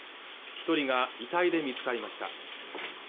一人が遺体で見つかりました